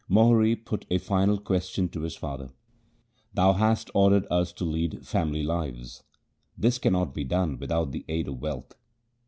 Mohri put a final question to his father: 'Thou hast ordered us to lead family lives. This cannot be done without the aid of wealth.